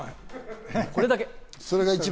これだけ。